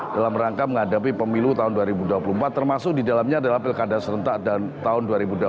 dalam rangka menghadapi pemilu tahun dua ribu dua puluh empat termasuk di dalamnya adalah pilkada serentak dan tahun dua ribu dua puluh empat